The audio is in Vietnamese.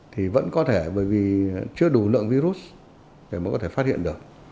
thì vẫn có thể bởi vì chưa đủ lượng virus để mới có thể phát hiện được